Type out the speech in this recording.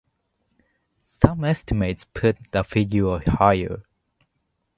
Some estimates put the figure higher.